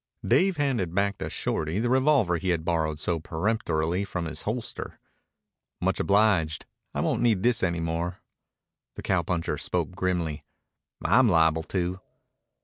Dave handed back to Shorty the revolver he had borrowed so peremptorily from his holster. "Much obliged. I won't need this any more." The cowpuncher spoke grimly. "I'm liable to."